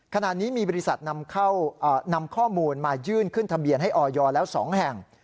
ขณะนี้มีบริษัทนำข้อมูลมายื่นขึ้นทะเบียนให้ออยแล้ว๒แห่ง